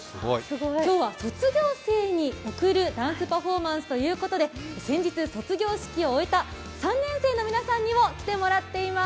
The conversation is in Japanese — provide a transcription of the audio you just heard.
今日は卒業生に贈るダンスパフォーマンスということで先日、卒業式を終えた３年生の皆さんにも来てもらっています。